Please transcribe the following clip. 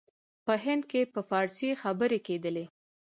په هند کې په فارسي خبري کېدلې.